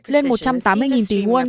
lên một trăm tám mươi tỷ won